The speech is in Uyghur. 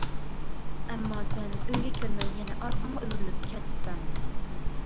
ئەمما سەن ئۆيگە كىرمەي يەنە ئارقاڭغا ئۆرۈلۈپ كەتتىڭ.